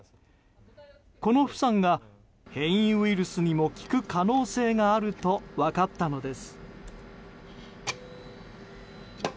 このフサンが変異ウイルスにも効く可能性があると分かったのです。